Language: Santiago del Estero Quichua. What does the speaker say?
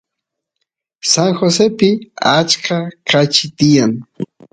San Josepi achka kachi tiyan